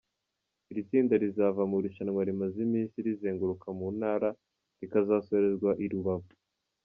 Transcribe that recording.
Iri tsinda rizava mu irushanwa rimaze iminsi rizenguruka mu ntara, rikazasorezwa i Rubavu.